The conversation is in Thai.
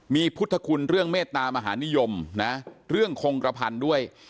มีพุทธคุณเรื่องเมตตามหานิยมนะเรื่องคงกระพันธุ์ด้วย